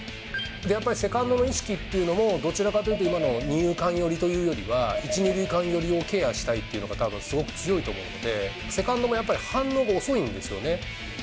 やっぱりセカンドの意識っていうのも、どちらかというと二遊間寄りというよりかは、１、２塁間寄りをケアしたいっていうのがすごく強いと思うので、セカンドもやっぱり反応が遅いんですよね。